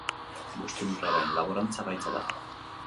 Buztin lurraren laborantza gaitza da.